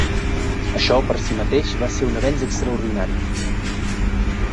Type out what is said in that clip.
Això, per si mateix, va ser un avenç extraordinari.